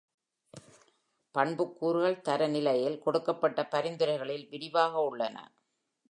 பண்புக்கூறுகள் தரநிலையில் கொடுக்கப்பட்ட பரிந்துரைகளில் விரிவாக உள்ளன.